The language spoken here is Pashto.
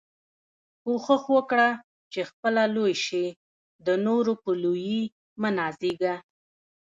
کوښښ وکه، چي خپله لوى سې، د نورو په لويي مه نازېږه!